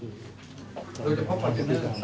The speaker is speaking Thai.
โดยเฉพาะคอนเจนเบอร์